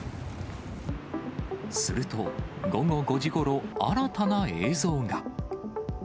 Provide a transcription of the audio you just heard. すると、午後５時ごろ、新たな映像が。